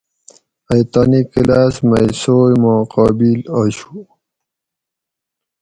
ائی تانی کلاس مئی سوئی ما قابل آشو